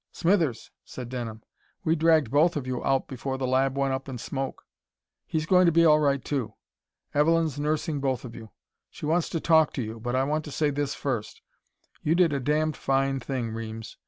"Smithers," said Denham. "We dragged both of you out before the lab went up in smoke. He's going to be all right, too. Evelyn's nursing both of you. She wants to talk to you, but I want to say this first: You did a damned fine thing, Reames!